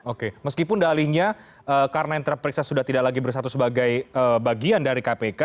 oke meskipun dalihnya karena yang terperiksa sudah tidak lagi bersatu sebagai bagian dari kpk